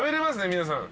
皆さん。